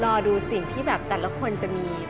รอดูสิ่งที่แบบแต่ละคนจะมี